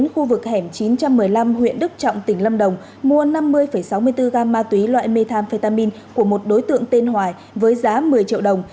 khu vực hẻm chín trăm một mươi năm huyện đức trọng tỉnh lâm đồng mua năm mươi sáu mươi bốn gam ma túy loại methamphetamine của một đối tượng tên hoài với giá một mươi triệu đồng